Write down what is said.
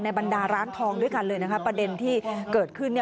ในบรรดาร้านทองด้วยกันประเด็นที่เกิดขึ้น